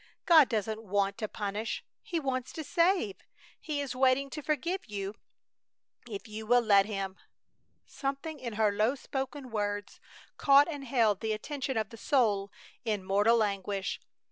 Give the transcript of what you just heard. "God doesn't want to punish. He wants to save. He is waiting to forgive you if you will let Him!" Something in her low spoken words caught and held the attention of the soul in mortal anguish.